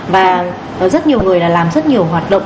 và rất nhiều người đã làm rất nhiều hoạt động